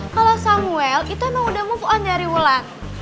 kalo samuel itu emang udah move on dari wulan